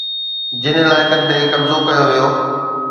جن علائقن تي قبضو ڪيو ويو